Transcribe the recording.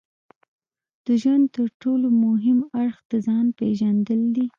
د ژوند ترټولو مهم اړخ د ځان پېژندل دي.